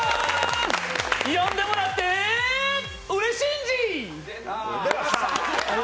呼んでもらって、うれ信二！